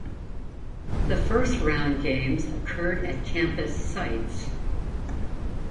The First Round games occurred at campus sites.